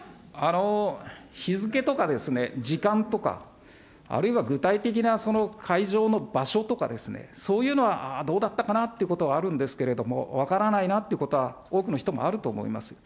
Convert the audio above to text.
日付とかですね、時間とか、あるいは具体的な会場の場所とかですね、そういうのは、ああ、どうだったかなというのはあるんですけれども、分からないなっていうことは、多くの人もあると思います。